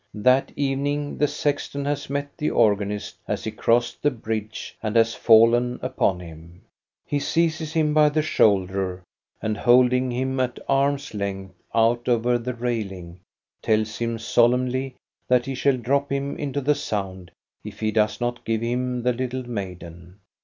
That evening the sexton has met the organist as he crossed the bridge and has fallen upon him. He seizes him by the shoulder, and holding him at arm's length out over the railing tells him solemnly that he shall drop him into the sound if he does not give him the little maiden.